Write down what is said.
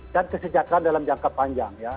dan kesejahteraan dalam jangka panjang ya